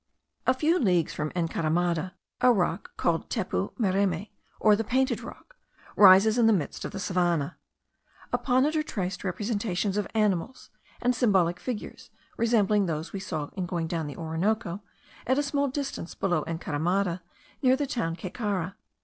A few leagues from Encaramada, a rock, called Tepu mereme, or the painted rock, rises in the midst of the savannah. Upon it are traced representations of animals, and symbolic figures resembling those we saw in going down the Orinoco, at a small distance below Encaramada, near the town Caycara.